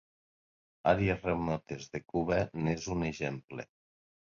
Àrees remotes de Cuba n'és un exemple.